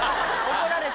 怒られた。